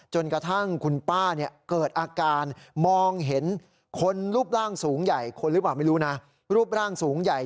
จนกระทั่งคุณป้าเนี่ยเกิดอาการมองเห็นคนรูปร่างสูงใหญ่